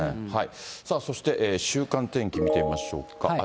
そして週間天気見てみましょうか。